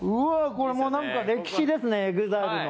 これもうなんか歴史ですねＥＸＩＬＥの。